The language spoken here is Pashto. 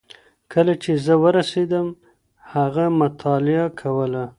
کله چي زه ورسېدم هغه مطالعه کوله.